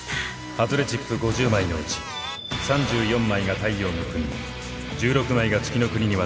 外れチップ５０枚のうち３４枚が太陽ノ国に１６枚が月ノ国に渡ります。